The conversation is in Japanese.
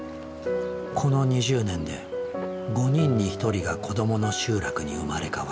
この２０年で５人に１人が子どもの集落に生まれ変わった。